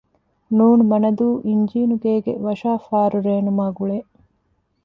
ނ.މަނަދޫ އިންޖީނުގޭގެ ވަށާފާރު ރޭނުމާގުޅޭ